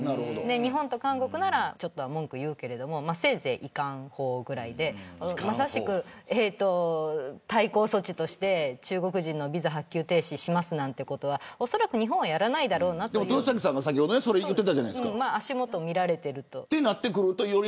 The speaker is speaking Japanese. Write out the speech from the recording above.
日本と韓国なら、少しは文句を言うけどせいぜい遺憾砲ぐらいでまさしく対抗措置として中国人のビザ発給停止をしますなんてことはおそらく日本はやらないだろうと豊崎さんが先ほど言われていましたよね。